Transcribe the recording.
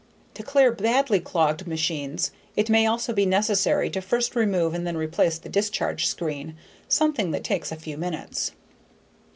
To clear badly clogged machines it may also be necessary to first remove and then replace the discharge screen, something that takes a few minutes.